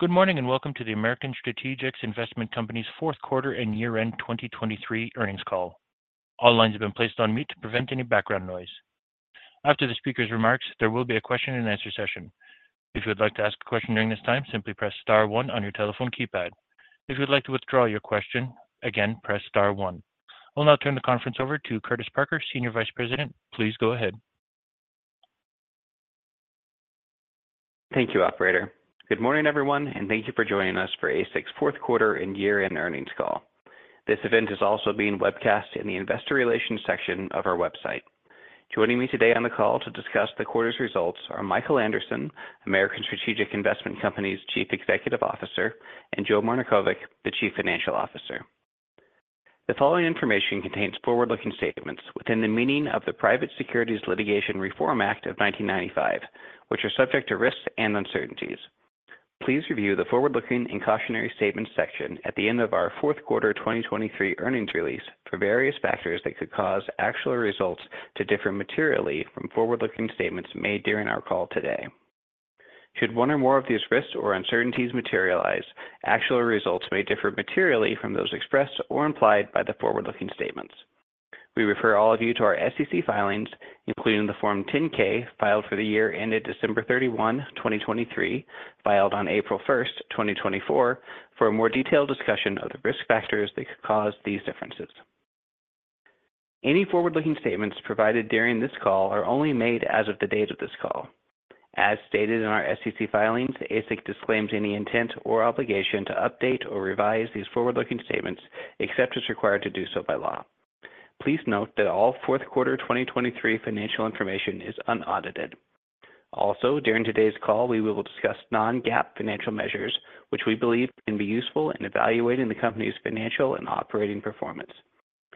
Good morning and welcome to the American Strategic Investment Co.'s Fourth Quarter and Year-End 2023 Earnings Call. All lines have been placed on mute to prevent any background noise. After the speaker's remarks, there will be a question-and-answer session. If you would like to ask a question during this time, simply press star one on your telephone keypad. If you would like to withdraw your question, again, press star one. I'll now turn the conference over to Curtis Parker, Senior Vice President. Please go ahead. Thank you, Operator. Good morning, everyone, and thank you for joining us for ASIC's Fourth Quarter and Year-End Earnings Call. This event is also being webcast in the investor relations section of our website. Joining me today on the call to discuss the quarter's results are Michael Anderson, American Strategic Investment Company's Chief Executive Officer, and Joe Marnikovic, the Chief Financial Officer. The following information contains forward-looking statements within the meaning of the Private Securities Litigation Reform Act of 1995, which are subject to risks and uncertainties. Please review the forward-looking and cautionary statements section at the end of our fourth quarter 2023 earnings release for various factors that could cause actual results to differ materially from forward-looking statements made during our call today. Should one or more of these risks or uncertainties materialize, actual results may differ materially from those expressed or implied by the forward-looking statements. We refer all of you to our SEC filings, including the Form 10-K filed for the year ended December 31, 2023, filed on April 1st, 2024, for a more detailed discussion of the risk factors that could cause these differences. Any forward-looking statements provided during this call are only made as of the date of this call. As stated in our SEC filings, ASIC disclaims any intent or obligation to update or revise these forward-looking statements except it's required to do so by law. Please note that all fourth quarter 2023 financial information is unaudited. Also, during today's call, we will discuss non-GAAP financial measures, which we believe can be useful in evaluating the company's financial and operating performance.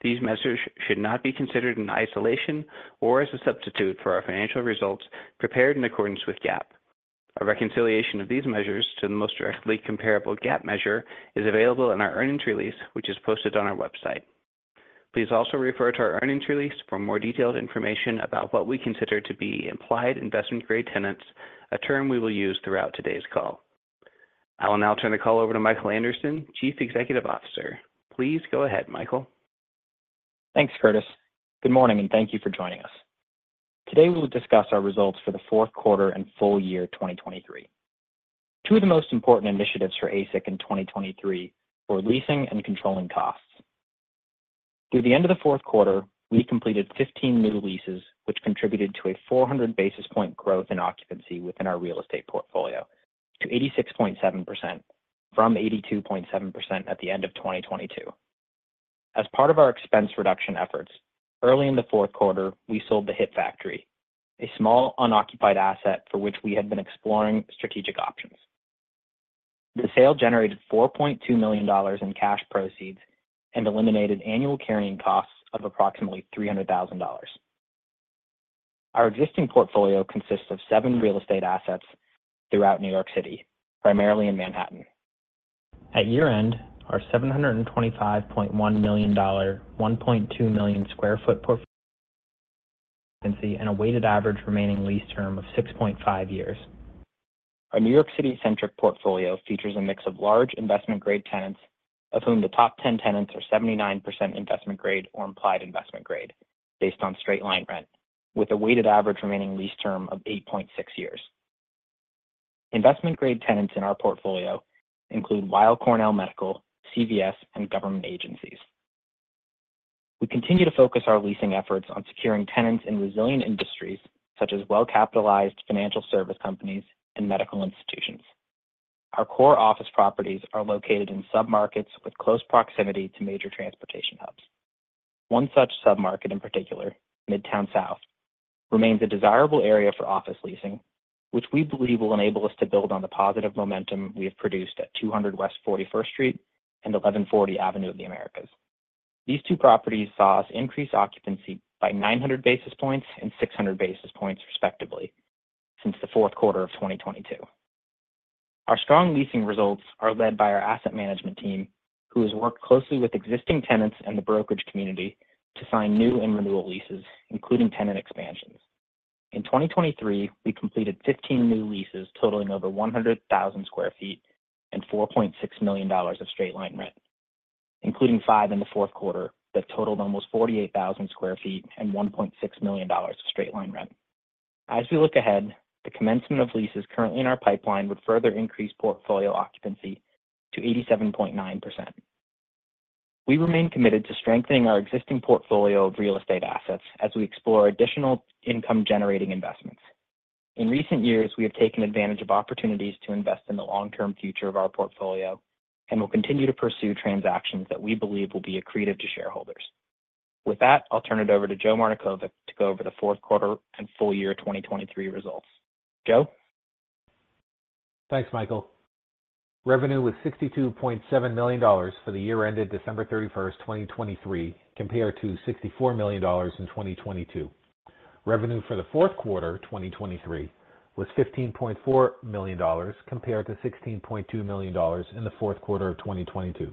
These measures should not be considered in isolation or as a substitute for our financial results prepared in accordance with GAAP. A reconciliation of these measures to the most directly comparable GAAP measure is available in our earnings release, which is posted on our website. Please also refer to our earnings release for more detailed information about what we consider to be implied investment-grade tenants, a term we will use throughout today's call. I will now turn the call over to Michael Anderson, Chief Executive Officer. Please go ahead, Michael. Thanks, Curtis. Good morning, and thank you for joining us. Today we will discuss our results for the fourth quarter and full year 2023. Two of the most important initiatives for ASIC in 2023 were leasing and controlling costs. Through the end of the fourth quarter, we completed 15 new leases, which contributed to a 400 basis point growth in occupancy within our real estate portfolio to 86.7% from 82.7% at the end of 2022. As part of our expense reduction efforts, early in the fourth quarter, we sold the Hit Factory, a small unoccupied asset for which we had been exploring strategic options. The sale generated $4.2 million in cash proceeds and eliminated annual carrying costs of approximately $300,000. Our existing portfolio consists of seven real estate assets throughout New York City, primarily in Manhattan. At year-end, our $725.1 million 1.2 million sq ft portfolio had an occupancy and a weighted average remaining lease term of six and half years. Our New York City-centric portfolio features a mix of large investment-grade tenants, of whom the top 10 tenants are 79% investment-grade or implied investment grade based on straight-line rent, with a weighted average remaining lease term of eight point six years. Investment-grade tenants in our portfolio include Weill Cornell Medical, CVS, and government agencies. We continue to focus our leasing efforts on securing tenants in resilient industries such as well-capitalized financial service companies and medical institutions. Our core office properties are located in submarkets with close proximity to major transportation hubs. One such submarket in particular, Midtown South, remains a desirable area for office leasing, which we believe will enable us to build on the positive momentum we have produced at 200 West 41st Street and 1140 Avenue of the Americas. These two properties saw us increase occupancy by 900 basis points and 600 basis points, respectively, since the fourth quarter of 2022. Our strong leasing results are led by our asset management team, who has worked closely with existing tenants and the brokerage community to sign new and renewal leases, including tenant expansions. In 2023, we completed 15 new leases totaling over 100,000 sq ft and $4.6 million of straight-line rent, including five in the fourth quarter that totaled almost 48,000 sq ft and $1.6 million of straight-line rent. As we look ahead, the commencement of leases currently in our pipeline would further increase portfolio occupancy to 87.9%. We remain committed to strengthening our existing portfolio of real estate assets as we explore additional income-generating investments. In recent years, we have taken advantage of opportunities to invest in the long-term future of our portfolio and will continue to pursue transactions that we believe will be accretive to shareholders. With that, I'll turn it over to Joe Marnikovic to go over the fourth quarter and full year 2023 results. Joe? Thanks, Michael. Revenue was $62.7 million for the year-ended December 31, 2023, compared to $64 million in 2022. Revenue for the fourth quarter 2023 was $15.4 million compared to $16.2 million in the fourth quarter of 2022.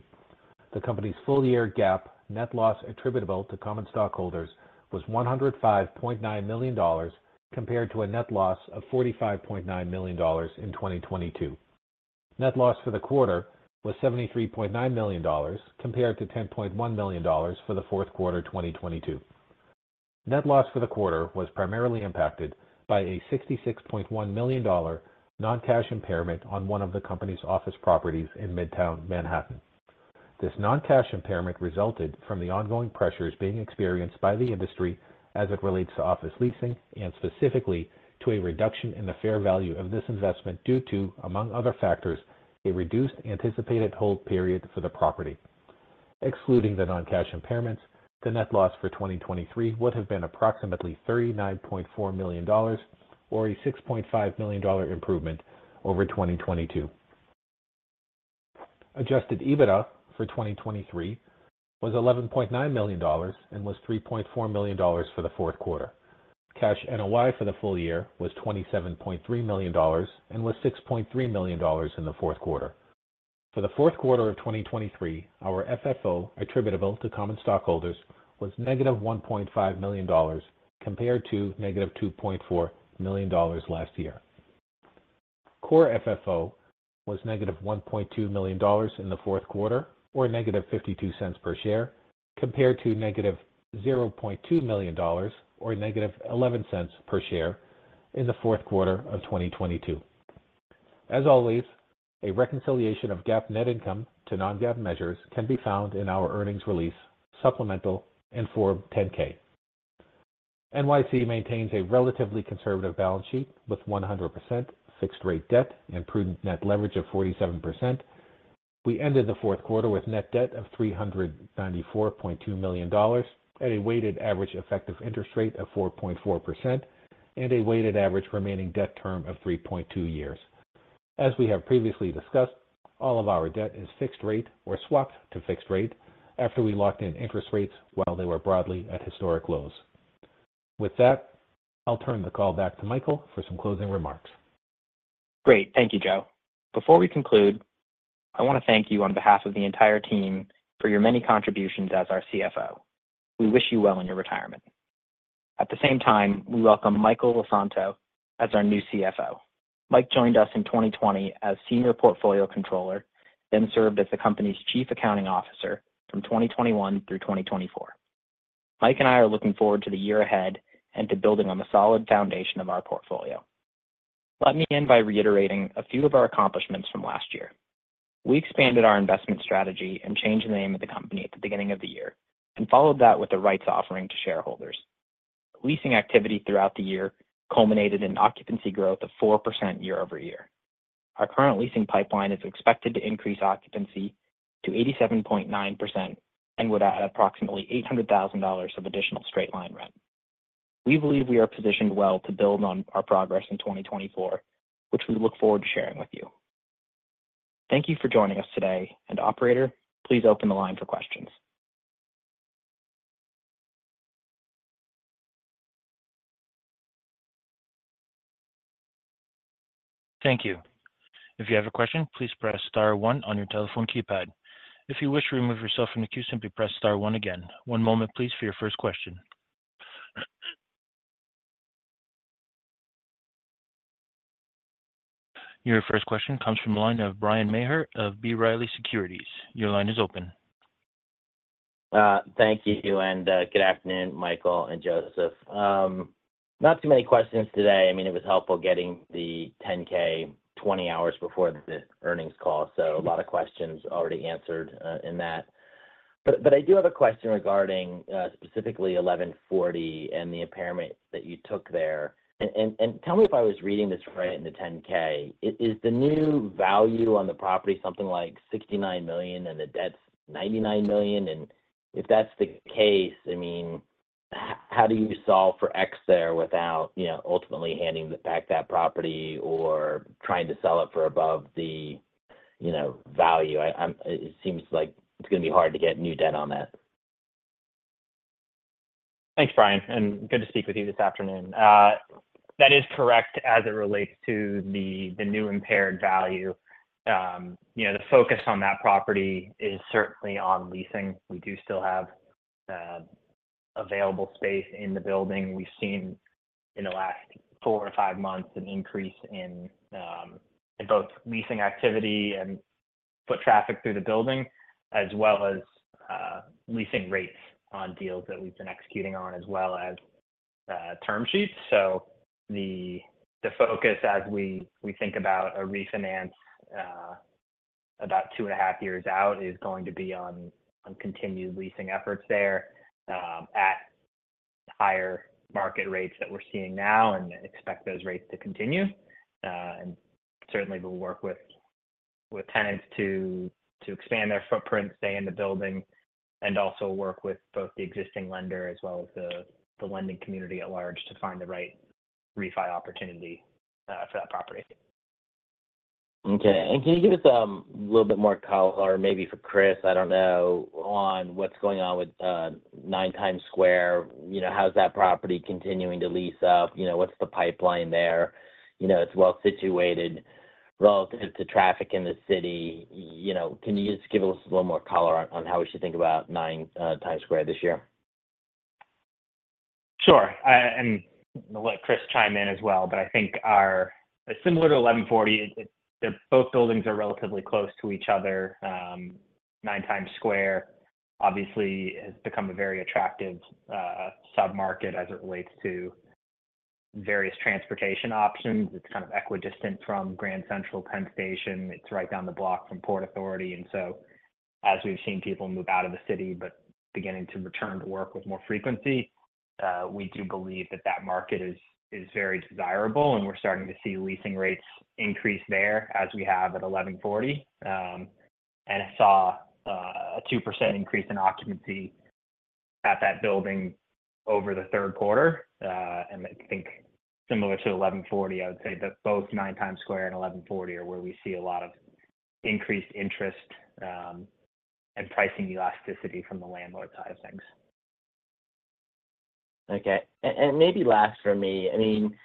The company's full-year GAAP net loss attributable to common stockholders was $105.9 million compared to a net loss of $45.9 million in 2022. Net loss for the quarter was $73.9 million compared to $10.1 million for the fourth quarter 2022. Net loss for the quarter was primarily impacted by a $66.1 million non-cash impairment on one of the company's office properties in Midtown, Manhattan. This non-cash impairment resulted from the ongoing pressures being experienced by the industry as it relates to office leasing and specifically to a reduction in the fair value of this investment due to, among other factors, a reduced anticipated hold period for the property. Excluding the non-cash impairments, the net loss for 2023 would have been approximately $39.4 million or a $6.5 million improvement over 2022. Adjusted EBITDA for 2023 was $11.9 million and was $3.4 million for the fourth quarter. Cash NOI for the full year was $27.3 million and was $6.3 million in the fourth quarter. For the fourth quarter of 2023, our FFO attributable to common stockholders was -$1.5 million compared to -$2.4 million last year. Core FFO was -$1.2 million in the fourth quarter or -$0.52 per share compared to -$0.2 million or -$0.11 per share in the fourth quarter of 2022. As always, a reconciliation of GAAP net income to non-GAAP measures can be found in our earnings release, supplemental, and Form 10-K. NYC maintains a relatively conservative balance sheet with 100% fixed-rate debt and prudent net leverage of 47%. We ended the fourth quarter with net debt of $394.2 million at a weighted average effective interest rate of 4.4% and a weighted average remaining debt term of three point two years. As we have previously discussed, all of our debt is fixed-rate or swapped to fixed-rate after we locked in interest rates while they were broadly at historic lows. With that, I'll turn the call back to Michael for some closing remarks. Great. Thank you, Joe. Before we conclude, I want to thank you on behalf of the entire team for your many contributions as our CFO. We wish you well in your retirement. At the same time, we welcome Michael LeSanto as our new CFO. Mike joined us in 2020 as Senior Portfolio Controller, then served as the company's Chief Accounting Officer from 2021 through 2024. Mike and I are looking forward to the year ahead and to building on the solid foundation of our portfolio. Let me end by reiterating a few of our accomplishments from last year. We expanded our investment strategy and changed the name of the company at the beginning of the year and followed that with a rights offering to shareholders. Leasing activity throughout the year culminated in occupancy growth of 4% year-over-year. Our current leasing pipeline is expected to increase occupancy to 87.9% and would add approximately $800,000 of additional straight-line rent. We believe we are positioned well to build on our progress in 2024, which we look forward to sharing with you. Thank you for joining us today. Operator, please open the line for questions. Thank you. If you have a question, please press star one on your telephone keypad. If you wish to remove yourself from the queue, simply press star one again. One moment, please, for your first question. Your first question comes from the line of Bryan Maher of B. Riley Securities. Your line is open. Thank you. Good afternoon, Michael and Joseph. Not too many questions today. I mean, it was helpful getting the 10-K 20 hours before the earnings call, so a lot of questions already answered in that. But I do have a question regarding specifically 1140 and the impairment that you took there. Tell me if I was reading this right in the 10-K. Is the new value on the property something like $69 million and the debt's $99 million? If that's the case, I mean, how do you solve for X there without ultimately handing back that property or trying to sell it for above the value? It seems like it's going to be hard to get new debt on that. Thanks, Bryan. Good to speak with you this afternoon. That is correct as it relates to the new impaired value. The focus on that property is certainly on leasing. We do still have available space in the building. We've seen in the last four or five months an increase in both leasing activity and foot traffic through the building, as well as leasing rates on deals that we've been executing on, as well as term sheets. So the focus as we think about a refinance about two and half years out is going to be on continued leasing efforts there at higher market rates that we're seeing now and expect those rates to continue. Certainly, we'll work with tenants to expand their footprint, stay in the building, and also work with both the existing lender as well as the lending community at large to find the right refi opportunity for that property. Okay. And can you give us a little bit more color, maybe for Curtis, I don't know, on what's going on with 9 Times Square? How's that property continuing to lease up? What's the pipeline there? It's well situated relative to traffic in the city. Can you just give us a little more color on how we should think about 9 Times Square this year? Sure. And we'll let Curtis chime in as well. But I think similar to 1140, both buildings are relatively close to each other. 9 Times Square, obviously, has become a very attractive submarket as it relates to various transportation options. It's kind of equidistant from Grand Central, Penn Station. It's right down the block from Port Authority. And so as we've seen people move out of the city but beginning to return to work with more frequency, we do believe that that market is very desirable. And we're starting to see leasing rates increase there as we have at 1140. And I saw a 2% increase in occupancy at that building over the third quarter. And I think similar to 1140, I would say that both 9 Times Square and 1140 are where we see a lot of increased interest and pricing elasticity from the landlord side of things. Okay. And maybe last for me. I mean,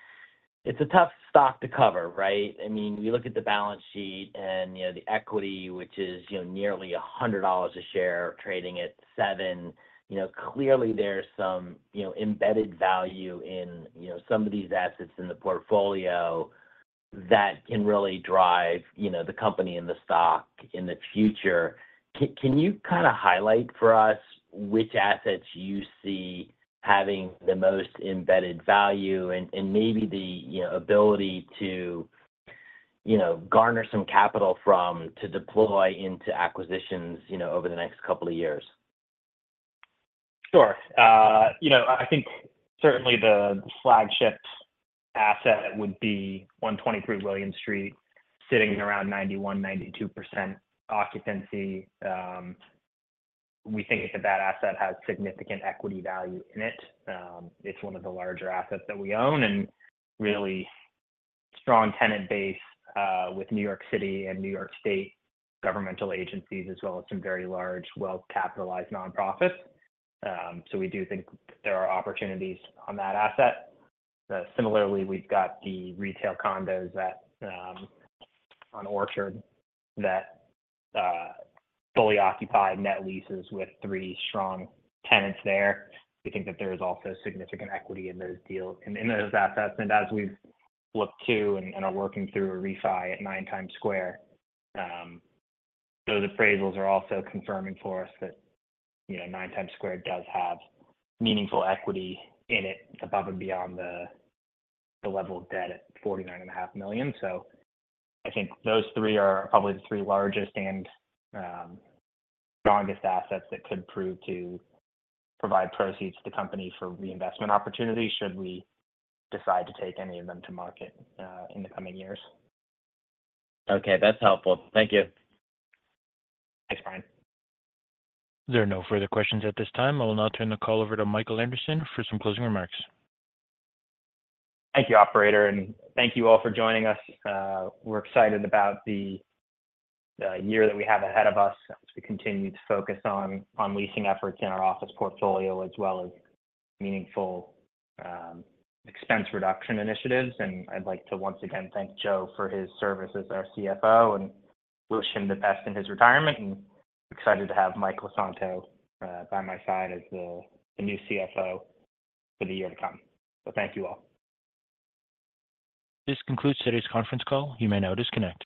it's a tough stock to cover, right? I mean, we look at the balance sheet and the equity, which is nearly $100 a share, trading at $7. Clearly, there's some embedded value in some of these assets in the portfolio that can really drive the company and the stock in the future. Can you kind of highlight for us which assets you see having the most embedded value and maybe the ability to garner some capital from to deploy into acquisitions over the next couple of years? Sure. I think certainly the flagship asset would be 123 William Street, sitting at around 91%-92% occupancy. We think that that asset has significant equity value in it. It's one of the larger assets that we own and really strong tenant base with New York City and New York State governmental agencies, as well as some very large well-capitalized nonprofits. So we do think that there are opportunities on that asset. Similarly, we've got the retail condos on Orchard that fully occupy net leases with three strong tenants there. We think that there is also significant equity in those assets. And as we've looked to and are working through a refi at 9 Times Square, those appraisals are also confirming for us that 9 Times Square does have meaningful equity in it above and beyond the level of debt at $49.5 million. I think those three are probably the three largest and strongest assets that could prove to provide proceeds to the company for reinvestment opportunities should we decide to take any of them to market in the coming years. Okay. That's helpful. Thank you. Thanks, Bryan. There are no further questions at this time. I will now turn the call over to Michael Anderson for some closing remarks. Thank you, Operator. Thank you all for joining us. We're excited about the year that we have ahead of us as we continue to focus on leasing efforts in our office portfolio as well as meaningful expense reduction initiatives. I'd like to once again thank Joe for his service as our CFO and wish him the best in his retirement. Excited to have Michael LeSanto by my side as the new CFO for the year to come. So thank you all. This concludes today's conference call. You may now disconnect.